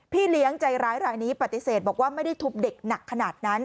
เลี้ยงใจร้ายรายนี้ปฏิเสธบอกว่าไม่ได้ทุบเด็กหนักขนาดนั้น